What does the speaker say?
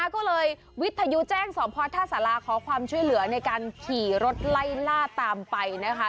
ก็เลยวิทยุแจ้งสอบพอท่าสาราขอความช่วยเหลือในการขี่รถไล่ล่าตามไปนะคะ